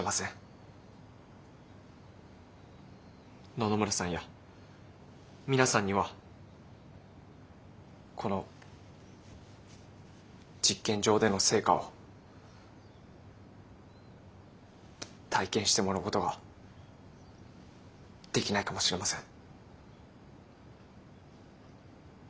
野々村さんや皆さんにはこの実験場での成果を体験してもらうことができないかもしれません。